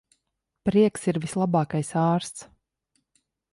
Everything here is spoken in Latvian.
Prieks ir vislabākais ārsts.